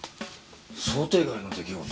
想定外の出来事？